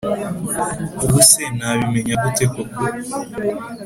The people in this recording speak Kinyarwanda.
ubuse nabimenya gute koko